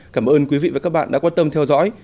cảm ơn quý vị và các bạn đã quan tâm theo dõi